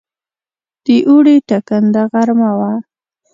د اوړي ټکنده غرمه وه.